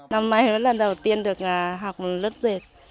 năm nay mới là lần đầu tiên được học lớp dệt